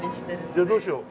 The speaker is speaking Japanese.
じゃあどうしよう？